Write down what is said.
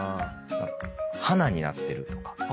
「はな」になってるとか。